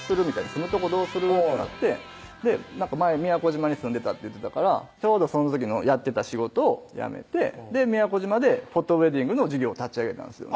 住むとこどうする？」ってなって「前宮古島に住んでた」って言ってたからちょうどその時のやってた仕事を辞めて宮古島でフォトウェディングの事業を立ち上げたんですよね